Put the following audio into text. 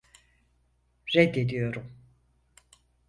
Reddediyorum.